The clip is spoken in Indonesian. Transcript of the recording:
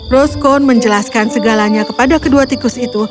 roskon menjelaskan segalanya kepada kedua tikus itu